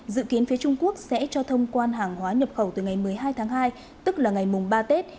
dự kiến phía trung quốc sẽ cho thông quan hàng hóa nhập khẩu từ ngày một mươi hai tháng hai tức là ngày mùng ba tết